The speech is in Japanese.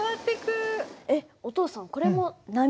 えっお父さんこれも波なの？